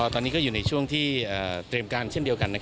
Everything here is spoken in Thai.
ตอนนี้ก็อยู่ในช่วงที่เตรียมการเช่นเดียวกัน